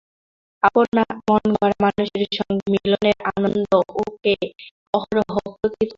আপন মনগড়া মানুষের সঙ্গে মিলনের আনন্দ ওকে অহরহ পুলকিত করে রাখে।